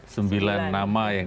sembilan nama yang